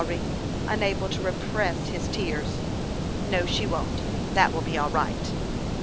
cried Lawry, unable to repress his tears. " No, she won't ; that will be all right."